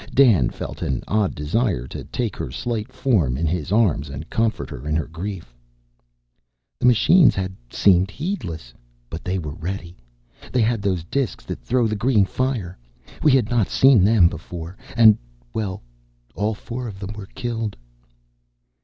Dan felt an odd desire to take her slight form in his arms and comfort her in her grief. "The machines had seemed heedless, but they were ready. They had those disks that throw the green fire: we had not seen them before. And well, all four of them were killed."